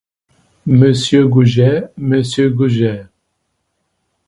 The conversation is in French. Monsieur Goujet, monsieur Goujet.